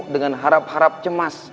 dengan harap harap cemas